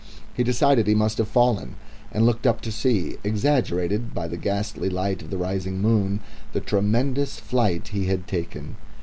He decided he must have fallen, and looked up to see, exaggerated by the ghastly light of the rising moon, the tremendous flight he had taken.